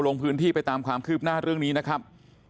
ลงพื้นที่ไปตามความคืบหน้าเรื่องนี้นะครับ